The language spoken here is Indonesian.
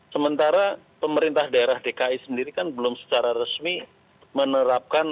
sementara pemerintah daerah dki sendiri kan belum secara resmi menerapkan